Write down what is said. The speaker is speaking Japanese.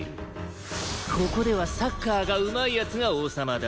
ここではサッカーがうまい奴が王様だ。